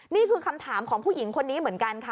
นี่คือคำถามของผู้หญิงคนนี้เหมือนกันค่ะ